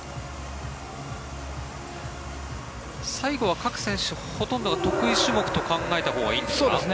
最後は各選手、ほとんど得意種目と考えたほうがいいんですか。